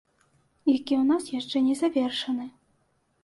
Які ў нас яшчэ не завершаны.